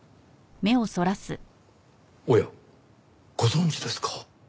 おやご存じですか？